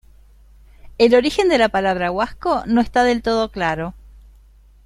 El origen de la palabra Huasco no está del todo claro.